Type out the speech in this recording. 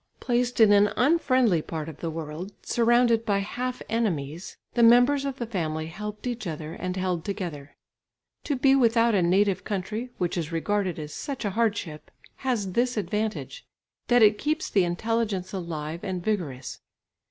Placed in an unfriendly part of the world, surrounded by half enemies, the members of the family helped each other and held together. To be without a native country, which is regarded as such a hard ship, has this advantage that it keeps the intelligence alive and vigorous.